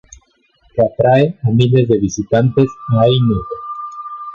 Que atrae a miles de visitantes a Heino.